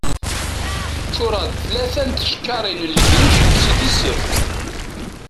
Ččureɣ-d tkata n tcekkaṛin n legric si tessirt.